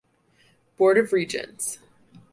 Board of Regents.